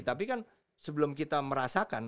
tapi kan sebelum kita merasakan